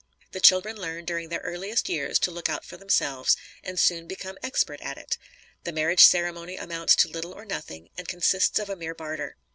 The children learn, during their earliest years, to look out for themselves, and soon become expert at it. The marriage ceremony amounts to little or nothing, and consists of a mere barter.